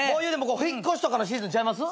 引っ越しとかのシーズンちゃいます？